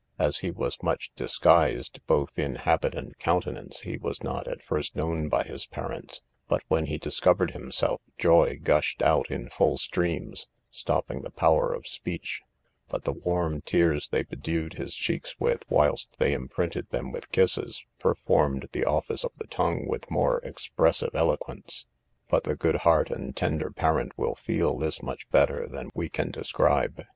As he was much disguised, both in habit and countenance, he was not at first known by his parents; but when he discovered himself, joy gushed out in full streams, stopping the power of speech; but the warm tears they bedewed his cheeks with, whilst they imprinted them with kisses, performed the office of the tongue with more expressive eloquence; but the good heart and tender parent will feel this much better than we can describe.